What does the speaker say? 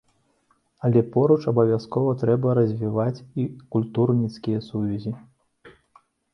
Але поруч абавязкова трэба развіваць і культурніцкія сувязі.